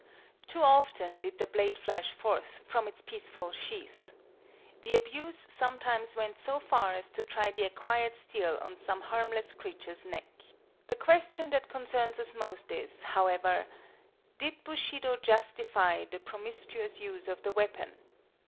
Too often did the blade flash forth from its peaceful sheath. The abuse sometimes went so far as to try the acquired steel on some harmless creature's neck. The question that concerns us most is, however,—Did Bushido justify the promiscuous use of the weapon?